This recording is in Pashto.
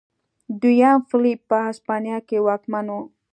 دویم فلیپ په هسپانیا کې واکمن و.